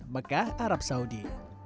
mekah arab saudi